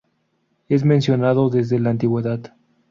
Es mencionado desde la Antigüedad.